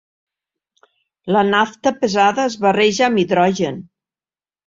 La nafta pesada es barreja amb hidrogen.